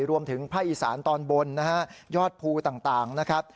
รวมถึงภาคอีสานตอนบนนะฮะยอดภูต่างนะครับ